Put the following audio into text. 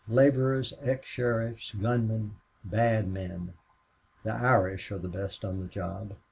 "Laborers, ex sheriffs, gunmen, bad men. The Irish are the best on the job.